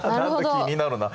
気になるな。